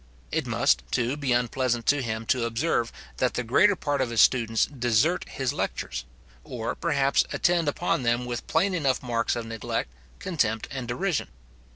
It must, too, be unpleasant to him to observe, that the greater part of his students desert his lectures; or perhaps, attend upon them with plain enough marks of neglect, contempt, and derision.